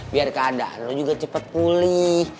biar keadaan lo juga cepet pulih